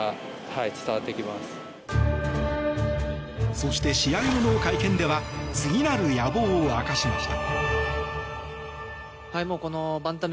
そして、試合後の会見では次なる野望を明かしました。